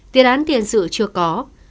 tiền án tiền sự chưa có